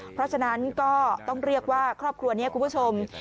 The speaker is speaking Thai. เพราะฉะนั้นก็ต้องเรียกว่าครอบครัวนี้คุณผู้ชม